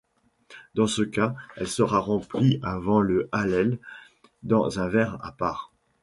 Dans ce cas, elle sera remplie avant le Hallel dans un verre à part.